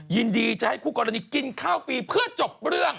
ยินดีจะให้คู่กรณีกินข้าวฟรีเพื่อจบเรื่อง